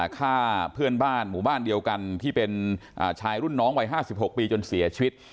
ฆ่าเพื่อนบ้านหมู่บ้านเดียวกันที่เป็นชายรุ่นน้องวัย๕๖ปีจนเสียชีวิต